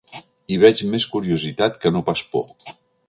Hi veig més curiositat que no pas por.